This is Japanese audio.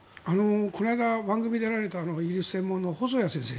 この間、番組に出られたイギリス専門の細谷先生。